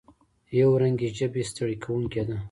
یو رنګي ژبه ستړې کوونکې ده.